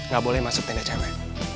nggak boleh masuk tenda cewek